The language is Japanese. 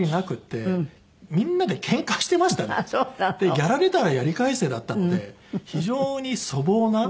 やられたらやり返せだったので非常に粗暴な。